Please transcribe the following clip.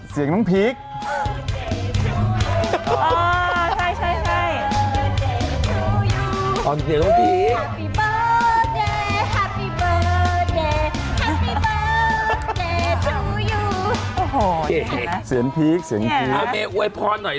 ชอบคุณครับ